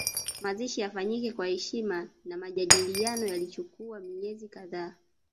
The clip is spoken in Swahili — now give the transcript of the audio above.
Mazishi yafanyike kwa heshima na majadiliano yalichukua miezi kadhaa